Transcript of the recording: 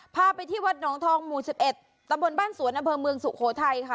พาไปที่วัดหนองทองหมู่๑๑ตำบลบ้านสวนอำเภอเมืองสุโขทัยค่ะ